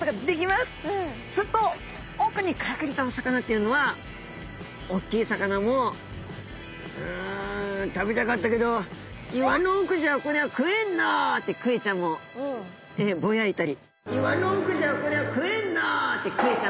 すると奥に隠れたお魚っていうのはおっきい魚も「うん食べたかったけど岩の奥じゃこりゃ食えんな」ってクエちゃんもぼやいたり。